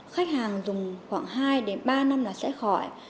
khách hàng dùng khoảng hai đến ba năm là sẽ khỏi